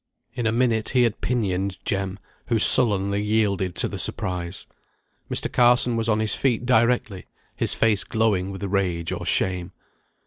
In a minute he had pinioned Jem, who sullenly yielded to the surprise. Mr. Carson was on his feet directly, his face glowing with rage or shame.